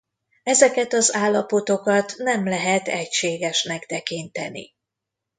Ezeket az állapotokat nem lehet egységesnek tekinteni.